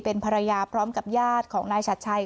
เป็นภรรยาพร้อมกับญาติของนายชัดชัย